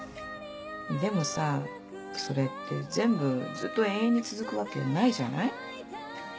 でもさそれって全部ずっと永遠に続くわけないじゃない？